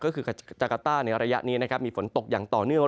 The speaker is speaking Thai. ก็คือจากาต้าในระยะนี้นะครับมีฝนตกอย่างต่อเนื่อง